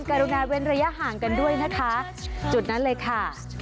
กรุณาเว้นระยะห่างกันด้วยนะคะจุดนั้นเลยค่ะ